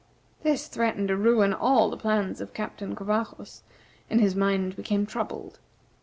This threatened to ruin all the plans of Captain Covajos, and his mind became troubled.